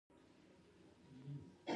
بزکشي د افغانانو لرغونې لوبه ده.